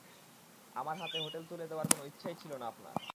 আমার হাতে হোটেল তুলে দেওয়ার কোনো ইচ্ছাই ছিলো না আপনার!